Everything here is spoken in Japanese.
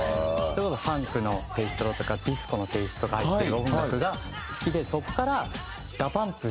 それこそファンクのテイストだとかディスコのテイストが入ってる音楽が好きでそこから。